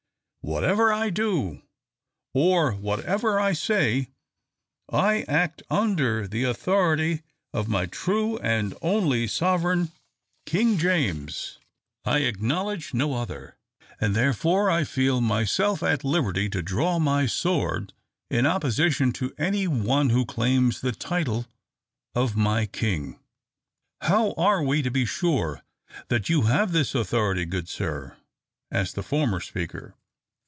Whatever I do, or whatever I say, I act under the authority of my true and only sovereign, King James. I acknowledge no other, and therefore I feel myself at liberty to draw my sword in opposition to any one who claims the title of my king." "How are we to be sure that you have this authority, good sir?" asked the former speaker.